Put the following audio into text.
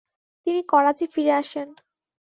তিনি করাচি ফিরে আসেন।